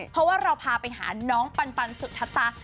เพราะว่าเราพาไปหาน้องปันสุธตา